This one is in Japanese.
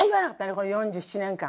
この４７年間。